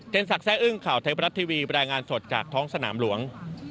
สักแซ่อึ้งข่าวไทยบรัฐทีวีบรรยายงานสดจากท้องสนามหลวง